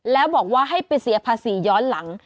แล้วบอกว่าให้ไปเสียภาษีย้อนหลัง